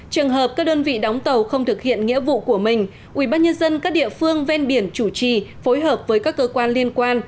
trường hợp các đơn vị đóng tàu không thực hiện nghĩa vụ của mình ubnd các địa phương ven biển chủ trì phối hợp với các cơ quan liên quan